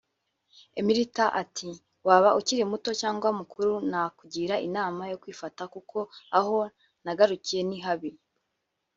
Emeritha ati ”Waba ukiri muto cyangwa mukuru nakugira inama yo kwifata kuko aho nagarukiye ni habi